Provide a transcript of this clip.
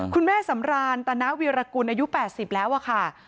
คุณแม่สำรานตนาวีรกุลอายุ๘๐แล้วอะค่ะ